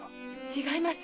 違います！